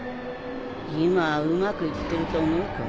今はうまくいってると思うか？